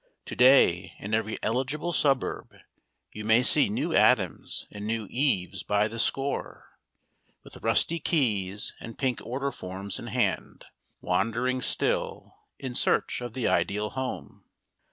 To day in every eligible suburb you may see New Adams and New Eves by the score, with rusty keys and pink order forms in hand, wandering still, in search of the ideal home.